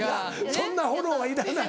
そんなフォローはいらない